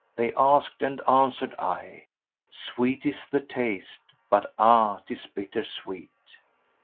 They asked and answered I, * Sweet is the aste but ah! 'tis bitter sweet."